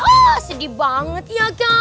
oh sedih banget ya kan